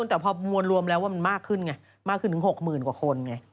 แต่พอมวลรวมแล้วว่ามันมากขึ้นไงมากขึ้นถึง๖๐๐๐กว่าคนไง